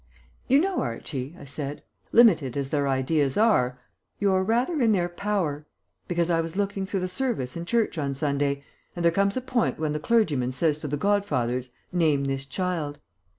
"You know, Archie," I said, "limited as their ideas are, you're rather in their power. Because I was looking through the service in church on Sunday, and there comes a point when the clergyman says to the godfathers, 'Name this child.'